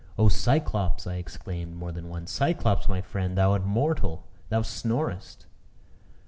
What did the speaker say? "Oh, Cyclops!" I exclaimed more than once, "Cyclops, my friend; thou art mortal. Thou snorest."